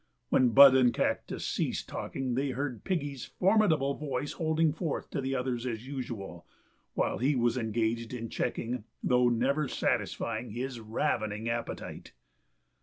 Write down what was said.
When Bud and Cactus ceased talking they heard Piggy's formidable voice holding forth to the others as usual while he was engaged in checking, though never satisfying, his ravening appetite.